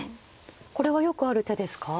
これはよくある手ですか？